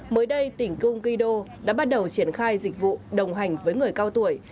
mới đây tỉnh gungido đã bắt đầu triển khai dịch vụ đồng hành với người cao tuổi